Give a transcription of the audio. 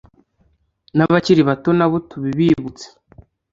nabakili bato nabo tubibibutse